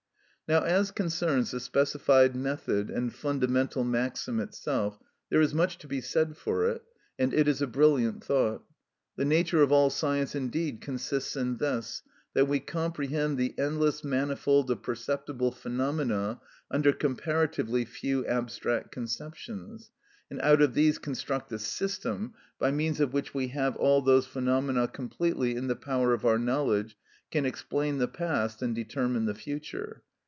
Now as concerns the specified method and fundamental maxim itself, there is much to be said for it, and it is a brilliant thought. The nature of all science indeed consists in this, that we comprehend the endless manifold of perceptible phenomena under comparatively few abstract conceptions, and out of these construct a system by means of which we have all those phenomena completely in the power of our knowledge, can explain the past and determine the future.